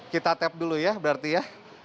kita tap dulu ya berarti ya